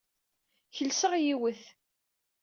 Kelseɣ yiwet.